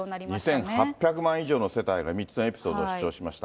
２８００万以上の世帯が３つのエピソードを視聴しました。